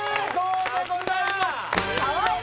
かわいい！